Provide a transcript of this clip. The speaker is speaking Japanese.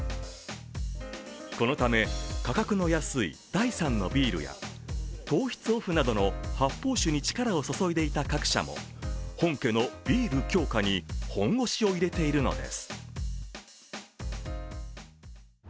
このため価格の安い第３のビールや糖質オフなどの発泡酒に力を注いでいた各社も本家のビール強化に本腰を入れているのです。